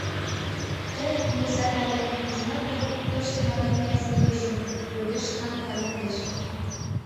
— Тый, мурза Калим, ужынат дыр тошто марий князьын ӱдыржым? — йодеш хан Калим деч.